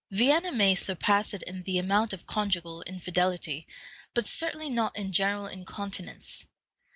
Vienna may surpass it in the amount of conjugal infidelity, but certainly not in general incontinence.